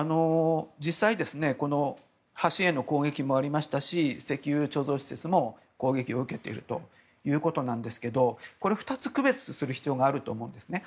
実際に橋への攻撃もありましたし石油貯蔵施設も攻撃を受けているということですが２つ区別する必要があると思うんですね。